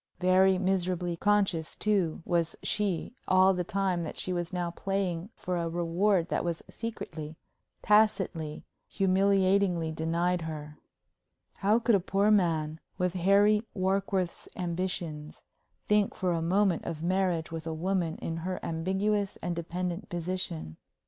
Very miserably conscious, too, was she all the time that she was now playing for a reward that was secretly, tacitly, humiliatingly denied her. How could a poor man, with Harry Warkworth's ambitions, think for a moment of marriage with a woman in her ambiguous and dependent position?